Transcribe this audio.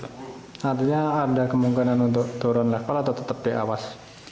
artinya ada kemungkinan untuk turun lah atau tetap di awas